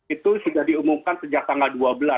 itu sudah diumumkan sejak tanggal dua belas